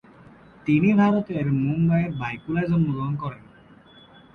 তিনি ভারতের মুম্বাইয়ের বাইকুলায় জন্মগ্রহণ করেন।